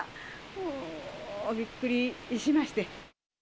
もうびっくりしまして。